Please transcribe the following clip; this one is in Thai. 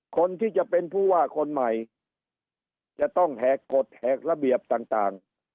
คนที่จะเป็นผู้ว่าคนใหม่จะต้องแหกกฎแหกระเบียบต่าง